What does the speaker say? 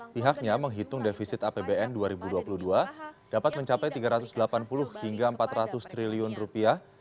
pihaknya menghitung defisit apbn dua ribu dua puluh dua dapat mencapai tiga ratus delapan puluh hingga empat ratus triliun rupiah